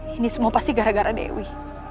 ini semua pasti gara gara dewi